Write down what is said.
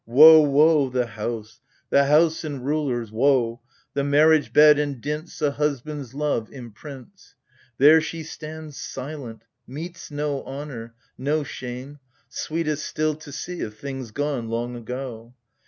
" Woe, woe the House, the House and Rulers, — woe The marriage bed and dints A husband's love imprints ! There she stands silent ! meets no honor — no Shame — sweetest still to see of things gone long ago